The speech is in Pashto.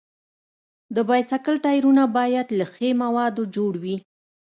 د بایسکل ټایرونه باید له ښي موادو جوړ وي.